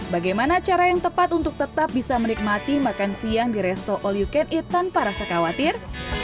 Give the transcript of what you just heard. bagaimana cara yang tepat untuk tetap bisa menikmati makan siang di resto all you can eat tanpa rasa khawatir